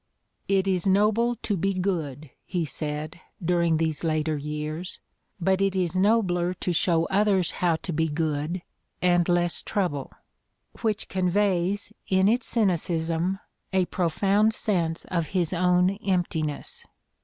"It is noble to be good," he said, during these later years, "but it is nobler to show others how to be good, and less trouble," which conveys, in its cynicism, a profound sense of his own emptiness.